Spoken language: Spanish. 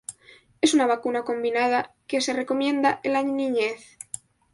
Es una vacuna combinada que se recomienda en la niñez.